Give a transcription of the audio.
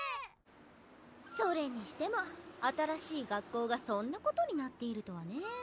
それにしても新しい学校がそんなことになっているとはねえ。